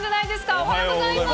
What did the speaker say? おはようございます。